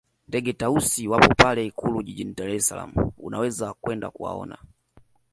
Ndege Tausi wapo pale ikulu jijini dar es salama unaweza kwenda kuwaona